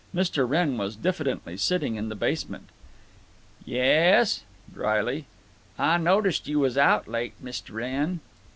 Mr. Wrenn was diffidently sitting in the basement. "Yes," dryly, "Ah noticed you was out late, Mist' Wrenn."